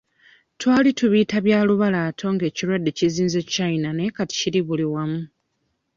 Twali tubiyita bya lubalaato nga ekirwadde kizinze China naye kati kiri buli wamu.